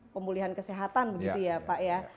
pemulihan kesehatan begitu ya pak ya